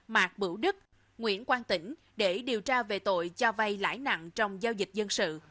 mạc bữu đức nguyễn quang tĩnh để điều tra về tội cho vay lãi nặng trong giao dịch dân sự